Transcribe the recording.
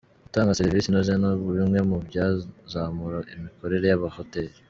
Gutanga serivisi inoze ni bimwe mu byazamura imikorere y’amahoteli